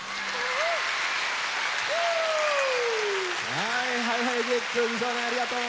はいＨｉＨｉＪｅｔｓと美少年ありがとう！